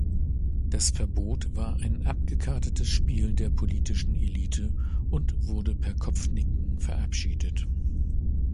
Das Verbot war ein abgekartetes Spiel der politischen Elite und wurde per Kopfnicken verabschiedet.